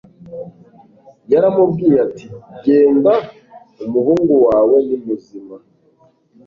Yaramubwiye ati : "Genda umuhungu wawe ni muzima."